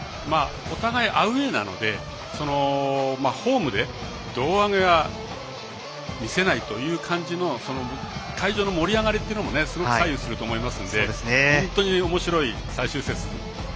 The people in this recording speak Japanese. お互い、アウェーなのでホームで胴上げを見せないと会場の盛り上がりというのもすごく左右すると思いますので本当におもしろい最終節。